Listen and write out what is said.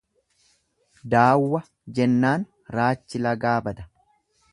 Daawwa jennaan raachi lagaa bada.